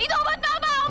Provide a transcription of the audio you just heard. itu obat apa om